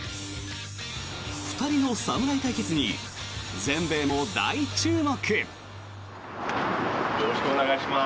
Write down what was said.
２人の侍対決に全米も大注目。